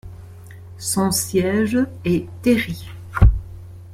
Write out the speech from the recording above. Son siège est Terry.